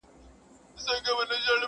همېشه به وه روان پکښي جنگونه!.